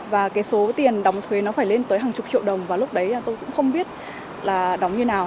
và cái số tiền đóng thuế nó phải lên tới hàng chục triệu đồng và lúc đấy tôi cũng không biết là đóng như nào